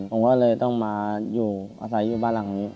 ผมก็เลยต้องมาอยู่อาศัยอยู่บ้านหลังนี้